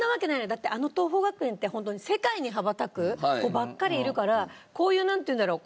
だってあの桐朋学園ってホントに世界に羽ばたく子ばっかりいるからこういうなんていうんだろう。